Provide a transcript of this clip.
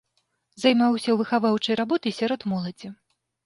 Займаўся выхаваўчай работай сярод моладзі.